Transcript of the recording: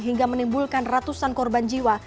hingga menimbulkan ratusan korban jiwa